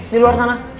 di luar sana